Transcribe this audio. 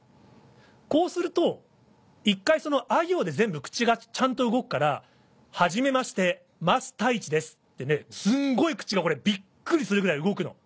こうすると１回そのあ行で全部口がちゃんと動くから「はじめましてますたいちです」ってすんごい口がこれびっくりするぐらい動くの。